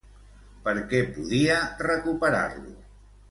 Per què podia recuperar-lo?